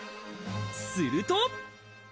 すると。